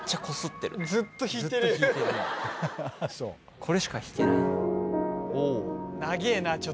これしか弾けない。